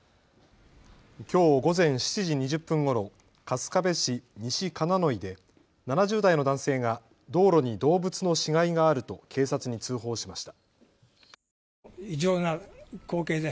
きょう午前７時２０分ごろ春日部市西金野井で７０代の男性が道路に動物の死骸があると警察に通報しました。